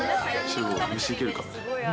飯行けるか？